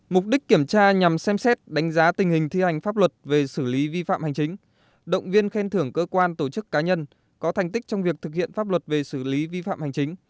mục đích kiểm tra nhằm xem xét đánh giá tình hình thi hành pháp luật về xử lý vi phạm hành chính động viên khen thưởng cơ quan tổ chức cá nhân có thành tích trong việc thực hiện pháp luật về xử lý vi phạm hành chính